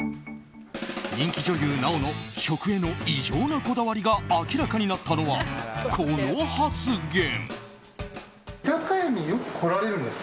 人気女優・奈緒の食への異常なこだわりが明らかになったのは、この発言。